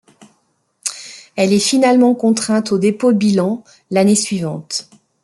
Elle est finalement contrainte au dépôt de bilan l'année suivante.